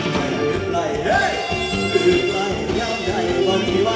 เหลือใกล้เหลือใกล้ย้ำใยวันที่วัน